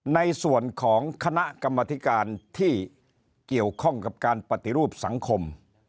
ในส่วนของคณะกรรมธิการที่เกี่ยวข้องกับการปฏิรูปสังคม